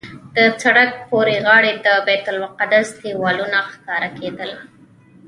د سړک پورې غاړې د بیت المقدس دیوالونه ښکاره کېدل.